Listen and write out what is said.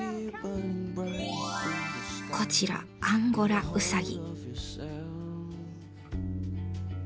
こちらアンゴラウサギ。